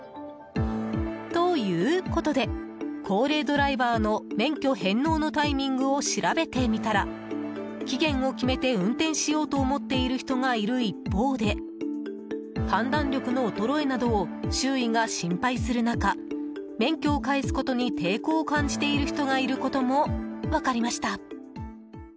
ということで、高齢ドライバーの免許返納のタイミングを調べてみたら期限を決めて運転しようと思っている人がいる一方で判断力の衰えなどを周囲が心配する中免許を返すことに抵抗を感じている人がいることも分かりました。